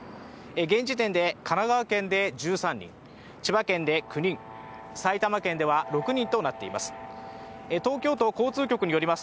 現時点で神奈川県で１３人、千葉県で９人、埼玉県では６人となっています。